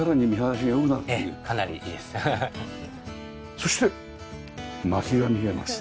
そして薪が見えますね。